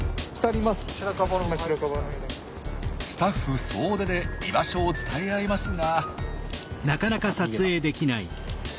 スタッフ総出で居場所を伝え合いますが。